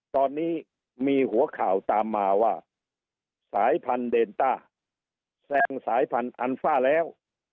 ตอนนี้มีหัวข่าวตามมาว่าสายพันธุเดนต้าแซงสายพันธุ์อันฟ่าแล้ว